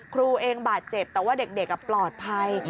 ครูเองบาดเจ็บแต่ว่าเด็กปลอดภัย